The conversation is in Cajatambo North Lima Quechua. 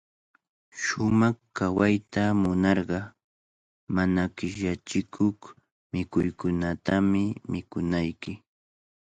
Shumaq kawayta munarqa, mana qishyachikuq mikuykunatami mikunayki.